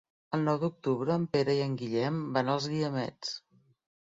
El nou d'octubre en Pere i en Guillem van als Guiamets.